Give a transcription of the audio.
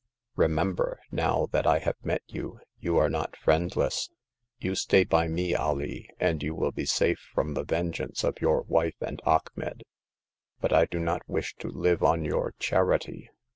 Remember, now that I have met you, you are not friendless. You stay by me, Alee, and you will be safe from the vengeance of your wife and Achmet." "But I do not wish to live on your charity."